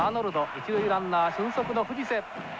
一塁ランナー俊足の藤瀬。